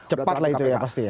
cepat lah itu ya pasti ya